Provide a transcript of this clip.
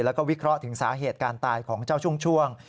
แล้วก็วิเคราะห์ถึงสาเหตุการตายของเจ้าช่วง